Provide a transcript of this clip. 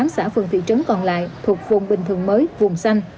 một trăm ba mươi tám xã phường thị trấn còn lại thuộc vùng bình thường mới vùng xanh